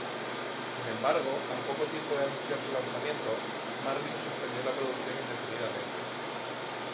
Sin embargo, al poco tiempo de anunciar su lanzamiento, Marlin suspendió la producción indefinidamente.